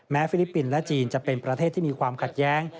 ฟิลิปปินส์และจีนจะเป็นประเทศที่มีความขัดแย้ง